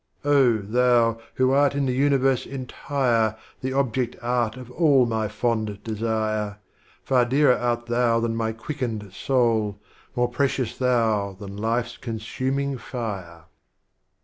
Oh, Thou who in the Universe Entire The Object art of all my fond Desire, Far dearer art Thou than my Quickened Soul, More precious Thou than Life's Consuming Fire.